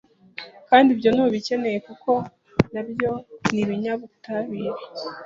kandi ibyo ntubikeneye kuko nabyo ni ibinyabutabire.